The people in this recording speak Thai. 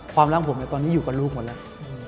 รักผมตอนนี้อยู่กับลูกหมดแล้ว